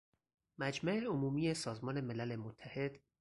مجمع عمومی سازمان ملل متحد